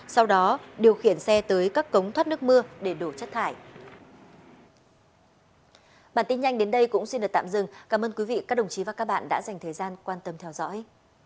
sau đó điều khiển xe tới các cống thoát nước mưa để đổ chất thải